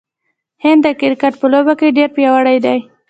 هند د کرکټ په لوبه کې ډیر پیاوړی دی.